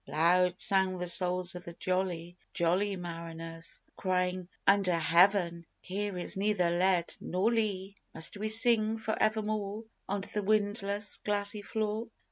Loud sang the souls of the jolly, jolly mariners, Crying: "Under Heaven, here is neither lead nor lea! Must we sing for evermore On the windless, glassy floor?